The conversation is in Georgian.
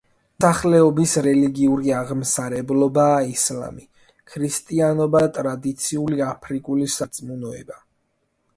მოსახლეობის რელიგიური აღმსარებლობაა ისლამი, ქრისტიანობა და ტრადიციული აფრიკული სარწმუნოება.